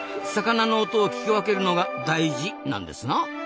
魚の音を聞き分けるのが大事なんですな。